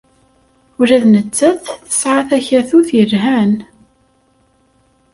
Ula d nettat tesɛa takatut yelhan.